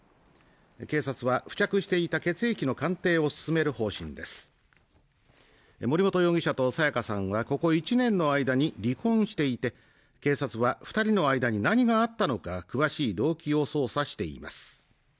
警察は付着していた血液の鑑定を進める方針です森本容疑者と彩加さんはここ１年の間に離婚していて警察は二人の間に何があったのか詳しい動機を捜査しています